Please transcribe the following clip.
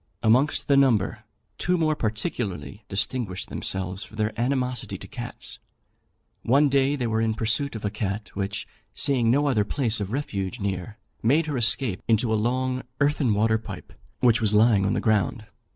Amongst the number, two more particularly distinguished themselves for their animosity to cats. One day they were in pursuit of a cat, which, seeing no other place of refuge near, made her escape into a long earthen water pipe which was lying on the ground.